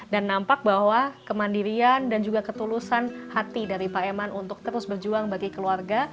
dan nampak bahwa kemandirian dan juga ketulusan hati dari pak eman untuk terus berjuang bagi keluarga